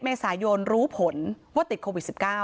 เมษายนรู้ผลว่าติดโควิด๑๙